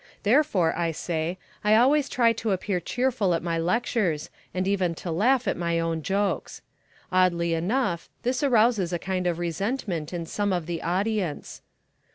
Therefore, I say, I always try to appear cheerful at my lectures and even to laugh at my own jokes. Oddly enough this arouses a kind of resentment in some of the audience.